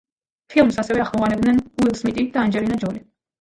ფილმს ასევე ახმოვანებდნენ უილ სმიტი და ანჯელინა ჯოლი.